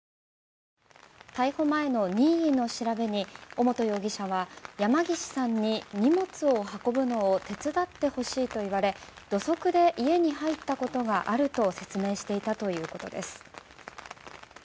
逮捕前の任意の調べに尾本容疑者は山岸さんに荷物を運ぶのを手伝ってほしいと言われ土足で家に入ったことがあると説明していたということです。